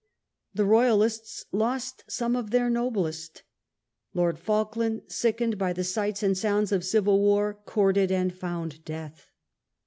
The Royalists lost some of their noblest. Lord Falkland, sickened by the sights and sounds of civil war, courted and found death.